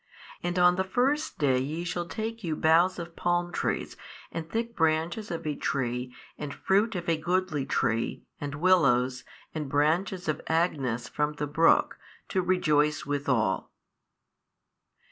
And on the first day ye shall take you boughs of palm trees and thick branches of a tree and fruit of a goodly tree and willows and branches of agnus from the brook to rejoice withal.